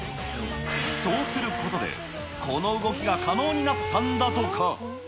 そうすることで、この動きが可能になったんだとか。